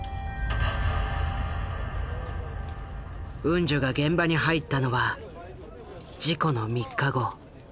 ウンジュが現場に入ったのは事故の３日後。